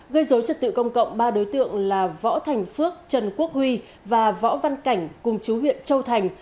gây dối trật tự công cộng ba đối tượng là võ thành phước trần quốc huy và võ văn cảnh cùng chú huyện châu thành